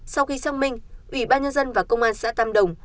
sau khi xác minh ủy ban nhân dân và công an xã tam đồng